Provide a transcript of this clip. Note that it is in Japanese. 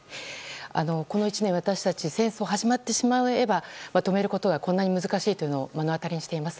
この１年、私たち戦争が始まってしまえば止めることはこんなに難しいということを目の当たりにしています。